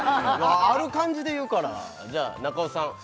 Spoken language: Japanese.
ある感じで言うからじゃあ中尾さん